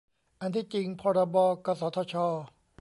อันที่จริง พรบ กสทช